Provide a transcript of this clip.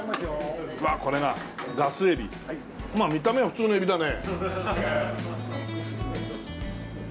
まあ見た目は普通のエビだね。